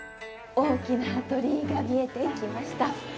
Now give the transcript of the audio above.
大きな鳥居が見えてきました。